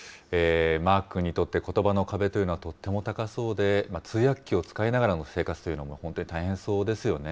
マーク君にとってことばの壁というのはとっても高そうで、通訳機を使いながらの生活というのも本当に大変そうですよね。